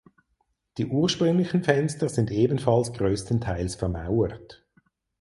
Die ursprünglichen Fenster sind ebenfalls größtenteils vermauert.